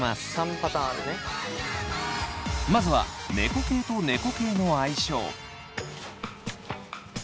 まずは猫系と猫系の相性。